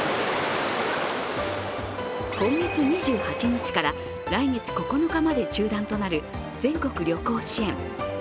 今月２８日から来月９日まで中断となる全国旅行支援。